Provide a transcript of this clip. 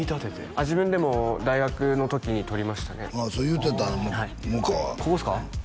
自分でも大学の時に撮りましたねああそれ言うてたわ萌歌がここですか？